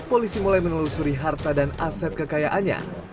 polisi mulai menelusuri harta dan aset kekayaannya